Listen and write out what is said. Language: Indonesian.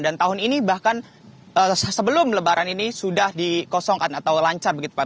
dan tahun ini bahkan sebelum lebaran ini sudah dikosongkan atau lancar begitu pak